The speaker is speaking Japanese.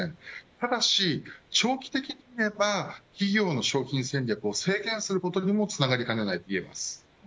ただし、長期的にみれば企業の商品戦略を制限することにもつながりかねないと言います。